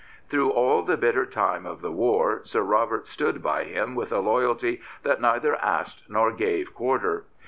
Through all the bitter time of the war Sir Robert stood by him with a loyalty that neither asked nor gave quarter.